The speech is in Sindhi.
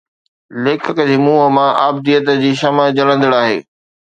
ليکڪ جي منهن مان ابديت جي شمع جلندڙ آهي